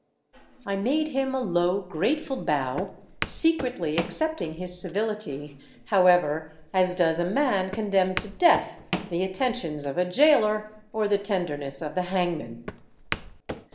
I made him a low grateful bow, secretly accepting his civility, however, as does a man condemned to death the attentions of a gaoler or the tenderness of the hangman.